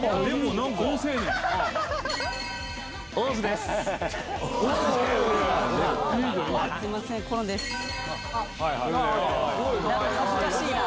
何か恥ずかしいな。